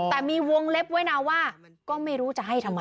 แต่มีวงเล็บไว้นะว่าก็ไม่รู้จะให้ทำไม